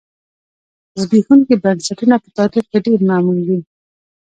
زبېښونکي بنسټونه په تاریخ کې ډېر معمول دي